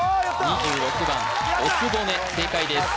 ２６番おつぼね正解です